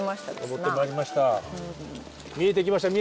登ってまいりましたわあ！